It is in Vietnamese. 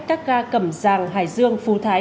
các ga cẩm giàng hải dương phú thái